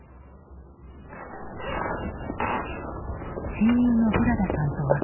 親友のブラダさんと別れ